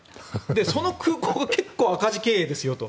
その空港、結構赤字経営ですよと。